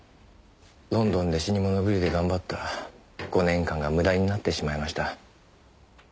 ロンドンで死にもの狂いで頑張った５年間が無駄になってしまいました。